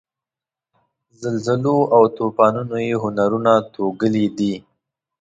زلزلو او توپانونو یې هنرونه توږلي دي.